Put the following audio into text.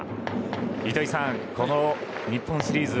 糸井さん、この日本シリーズ